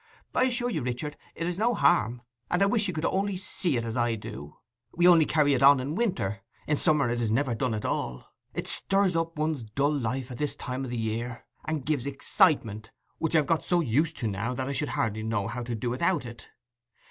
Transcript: I assure you, Richard, it is no harm, and I wish you could only see it as I do! We only carry it on in winter: in summer it is never done at all. It stirs up one's dull life at this time o' the year, and gives excitement, which I have got so used to now that I should hardly know how to do 'ithout it.